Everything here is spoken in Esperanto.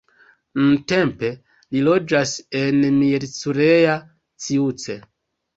Nuntempe li loĝas en Miercurea Ciuc.